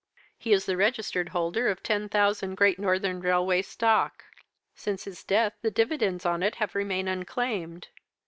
He is the registered holder of ten thousand Great Northern Railway Stock. Since his death, the dividends on it have remained unclaimed.